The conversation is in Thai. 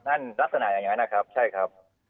ลักษณะอย่างนั้นนะครับใช่ครับ